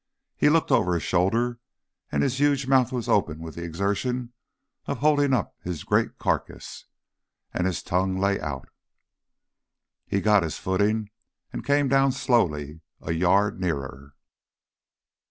He looked over his shoulder, and his huge mouth was open with the exertion of holding up his great carcase, and his tongue lay out.... He got his footing, and came down slowly, a yard nearer.